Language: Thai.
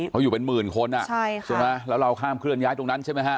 เขาอยู่เป็นหมื่นคนอ่ะใช่ค่ะใช่ไหมแล้วเราข้ามเคลื่อย้ายตรงนั้นใช่ไหมฮะ